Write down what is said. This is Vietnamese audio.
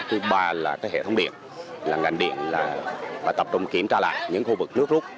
thứ ba là hệ thống điện là ngành điện là tập trung kiểm tra lại những khu vực nước rút